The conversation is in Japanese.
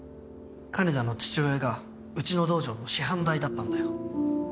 金田の父親がうちの道場の師範代だったんだよ。